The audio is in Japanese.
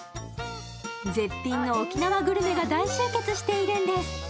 絶品の沖縄グルメが大集結しているんです。